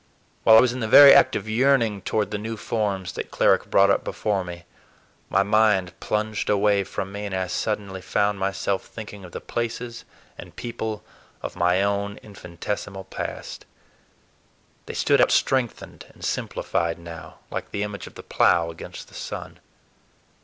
While I was in the very act of yearning toward the new forms that Cleric brought up before me, my mind plunged away from me, and I suddenly found myself thinking of the places and people of my own infinitesimal past. They stood out strengthened and simplified now, like the image of the plough against the sun.